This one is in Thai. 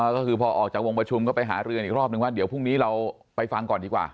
ก็คือพอออกจากวงประชุมก็ไปหารือกันอีกรอบนึงว่าเดี๋ยวพรุ่งนี้เราไปฟังก่อนดีกว่า